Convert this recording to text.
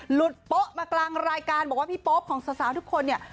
โป๊ะมากลางรายการบอกว่าพี่โป๊ปของสาวทุกคนเนี่ย